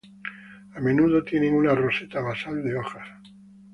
A menudo tienen una roseta basal de hojas.